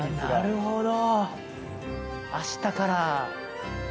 なるほど。